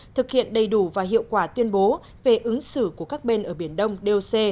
thực hiện đầy đủ và hiệu quả tuyên bố về ứng xử của các bên ở biển đông doc